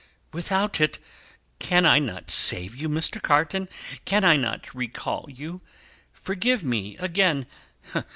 "Without it, can I not save you, Mr. Carton? Can I not recall you forgive me again!